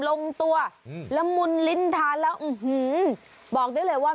ลงตัวละมุนลิ้นทานแล้วบอกได้เลยว่า